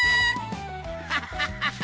ハハハハ！